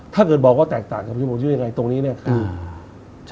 ถ้าเกิดบอกว่าแตกต่างกับชื่อโมงชีวิตยังไงตรงนี้เนี่ย